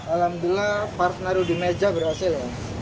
alhamdulillah part naruh di meja berhasil